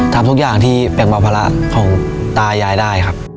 ทำทุกอย่างที่แบ่งเบาภาระของตายายได้ครับ